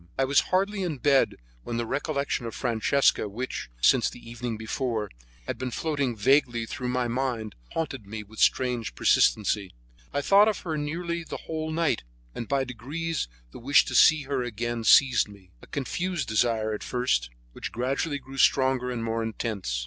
I was hardly in bed when the recollection of Francesca which, since the evening before, had been floating vaguely through my mind, haunted me with strange persistency. I thought of her nearly the whole night, and by degrees the wish to see her again seized me, a confused desire at first, which gradually grew stronger and more intense.